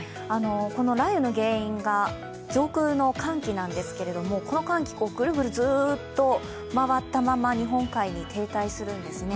この雷雨の原因が上空の寒気なんですけれどもこの寒気、ぐるぐるずっと回ったまま日本海に停滞するんですね。